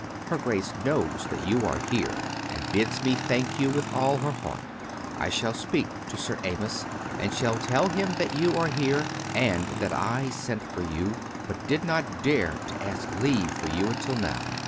... Her Grace knows that you are here, and bids me thank you with all her heart. ... I shall speak to Sir Amyas, and shall tell him that you are here: and that I sent for you, but did not dare to ask leave for you until now.